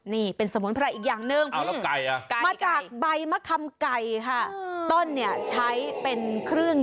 นี่เป็นสมุนไพร่อีกอย่างหนึ่ง